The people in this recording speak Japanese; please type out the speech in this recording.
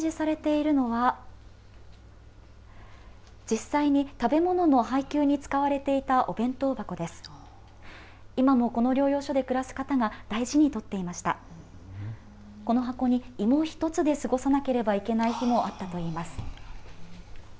この箱に芋一つで過ごさなければいけない日もあったといいます。